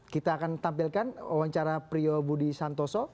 kita akan tampilkan wawancara priyo budi santoso